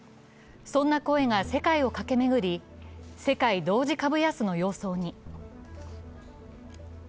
そんな声が世界を駆け巡り世界同時株安の様相に。